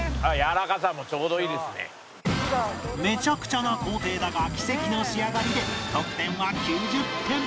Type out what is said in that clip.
めちゃくちゃな工程だが奇跡の仕上がりで得点は９０点